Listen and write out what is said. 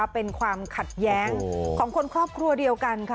เป็นความขัดแย้งของคนครอบครัวเดียวกันค่ะ